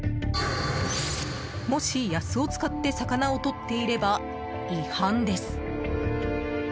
もし、ヤスを使って魚をとっていれば違反です。